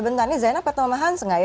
dengan menwho baggage